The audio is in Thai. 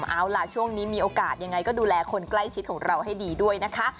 เอาล่ะช่วงนี้มีโอกาสยังไงก็ดูแลคนใกล้ชิดของเราให้ดีด้วยนะคะ